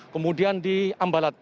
kemudian di ambalat